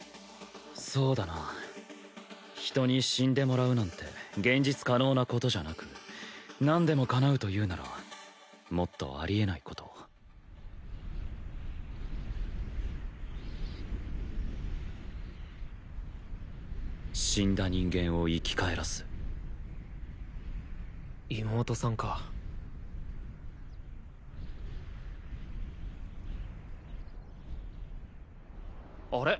そうだな人に死んでもらうなんて現実可能なことじゃなく何でも叶うというならもっとありえないこと死んだ人間を生き返らす妹さんかあれ？